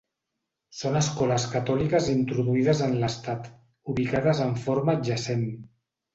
Són escoles catòliques introduïdes en l'estat, ubicades en forma adjacent.